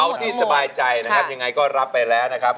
เอาที่สบายใจนะครับยังไงก็รับไปแล้วนะครับ